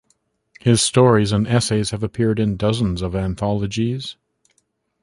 His stories and essays have appeared in dozens of anthologies.